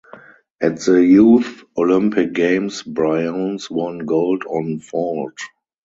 At the Youth Olympic Games Briones won gold on vault.